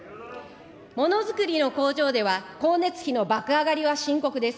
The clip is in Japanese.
ものづくりの工場では光熱費の爆上がりは深刻です。